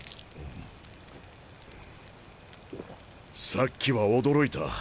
さっきは驚いた。